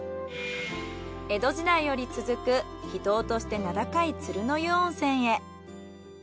江戸時代より続く秘湯として名高い鶴の湯温泉へ。